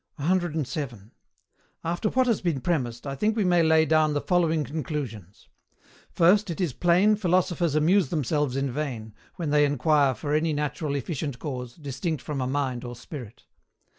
107. After what has been premised, I think we may lay down the following conclusions. First, it is plain philosophers amuse themselves in vain, when they inquire for any natural efficient cause, distinct from a mind or spirit.